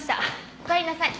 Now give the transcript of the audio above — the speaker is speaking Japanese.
おかえりなさい。